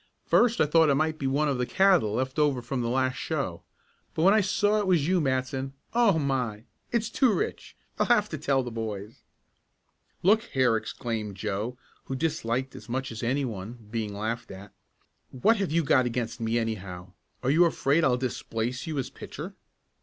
First I thought it might be one of the cattle left over from the last show, but when I saw it was you, Matson Oh, my! It's too rich! I'll have to tell the boys." "Look here!" exclaimed Joe, who disliked as much as any one being laughed at, "what have you got against me, anyhow? Are you afraid I'll displace you as pitcher?"